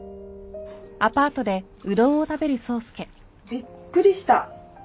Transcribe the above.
びっくりした。